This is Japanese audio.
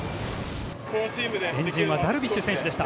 円陣はダルビッシュ選手でした。